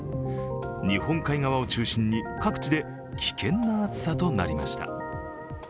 日本海側を中心に各地で危険な暑さとなりました。